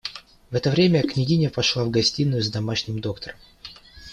В это время княгиня вошла в гостиную с домашним доктором.